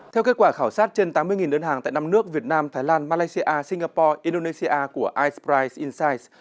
theo kết quả khảo sát trên tám mươi đơn hàng tại năm nước việt nam thái lan malaysia singapore indonesia của ice price insights